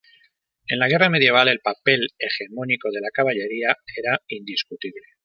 En la guerra medieval, el papel hegemónico de la caballería era indiscutible.